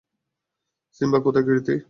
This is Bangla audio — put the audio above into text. সিম্বা কোথায় কীর্তি?